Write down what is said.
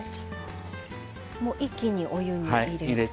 もう一気にお湯に入れて。